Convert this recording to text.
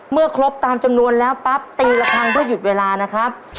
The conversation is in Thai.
เมื่อครบตามจำนวนแล้วปั๊บตีละครั้งเพื่อหยุดเวลานะครับ